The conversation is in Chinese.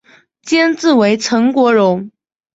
监制为岑国荣。